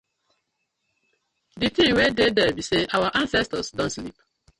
Di tin wey dey dere bi say our ancestors don sleep.